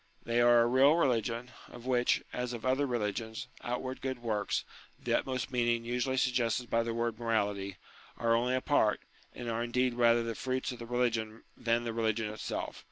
They are a real religion ; of which, as of other religions, outward good works (the utmost meaning usually suggested by the word morality) are only a part, and are indeed rather the fruits of the religion than the religion itself.